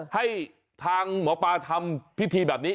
ให้ทางหมอปลาทำพิธีแบบนี้